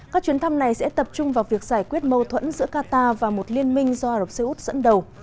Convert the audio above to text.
các chuyến thăm này sẽ tập trung vào việc giải quyết mâu thuẫn giữa qatar và một liên minh do ả rập xê út dẫn đầu